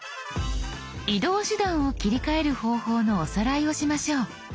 移動手段を切り替える方法のおさらいをしましょう。